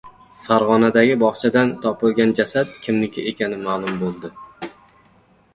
Farg‘onadagi bog‘chadan topilgan jasad kimniki ekani ma’lum bo‘ldi